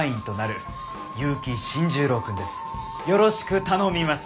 よろしく頼みます。